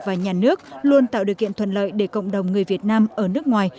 và nhà nước luôn tạo điều kiện thuận lợi để cộng đồng người việt nam ở nước ngoài